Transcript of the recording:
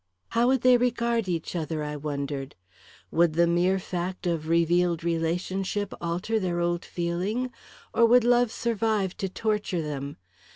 How would they regard each other, I wondered? Would the mere fact of revealed relationship alter their old feeling, or would love survive to torture them?